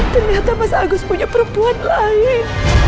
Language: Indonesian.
ternyata mas agus punya perempuan lain